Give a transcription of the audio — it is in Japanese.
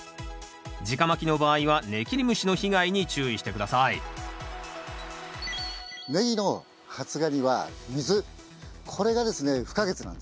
じかまきの場合はネキリムシの被害に注意して下さいネギの発芽には水これがですね不可欠なんです。